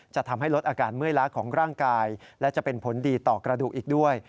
จะทำให้ลดอาการเมื่อยล้าของร่างกายและจะเป็นผลดีต่อกระดูกอีกด้วย